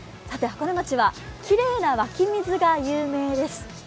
さて箱根町はきれいな湧き水が有名です。